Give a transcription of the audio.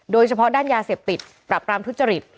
โดยเฉพาะด้านยาเสพติดปรับปรามทุจริต